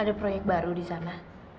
ada proyek baru di sana